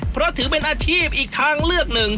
เพราะถือเป็นอาชีพอีกทางเลือกหนึ่ง